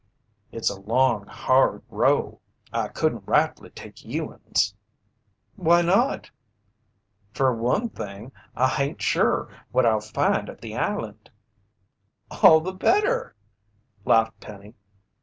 "It's a long, hard row. I couldn't rightly take you'uns." "Why not?" "Fer one thing, I hain't sure what I'll find at the island." "All the better," laughed Penny.